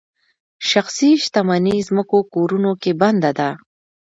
شخصي شتمني ځمکو کورونو کې بنده ده.